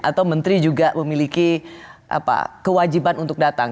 atau menteri juga memiliki kewajiban untuk datang